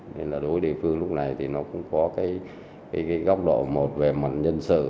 nên là đối với địa phương lúc này thì nó cũng có cái góc độ một về mặt nhân sự